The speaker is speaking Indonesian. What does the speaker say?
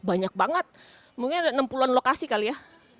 banyak banget mungkin ada enam puluh an lokasi kali ya